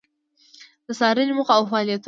د څارنې موخه او فعالیتونه: